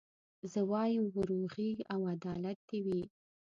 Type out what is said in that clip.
زه وايم وروغي او عدالت دي وي